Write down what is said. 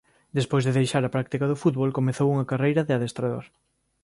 Despois de deixar a práctica do fútbol comezou unha carreira de adestrador.